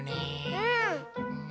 うん。